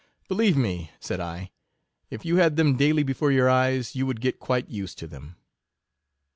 Believe me, said I, if you had them daily before your eyes, you would get quite used to them.